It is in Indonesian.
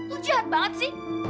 lo jahat banget sih